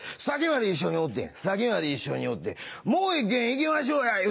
「さっきまで一緒におってんさっきまで一緒におって『もう一軒行きましょうや』